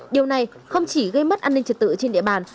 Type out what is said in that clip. điều này không chỉ gây mất an ninh trật tự trên địa bàn